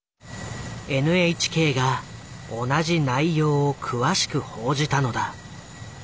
ＮＨＫが同じ内容を詳しく報じたのだ。